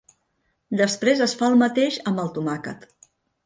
Després es fa el mateix amb el tomàquet.